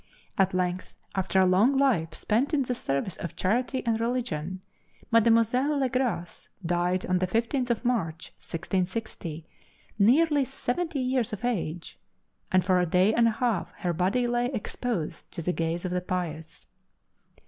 At length, after a long life spent in the service of charity and religion, Mademoiselle Le Gras died on the 15th of March, 1660, nearly seventy years of age, and for a day and a half her body lay exposed to the gaze of the pious.